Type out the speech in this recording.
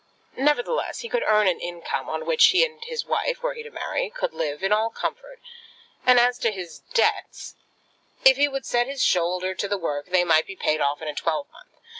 Nevertheless he could earn an income on which he and his wife, were he to marry, could live in all comfort; and as to his debts, if he would set his shoulder to the work they might be paid off in a twelvemonth.